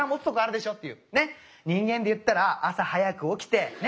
ね人間でいったら朝早く起きてね